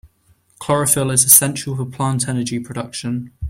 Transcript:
Chlorophyll is essential for plant energy production.